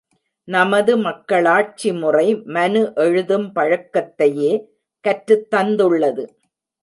நமது மக்களாட்சிமுறை மனு எழுதும் பழக்கத்தையே கற்றுத் தந்துள்ளது.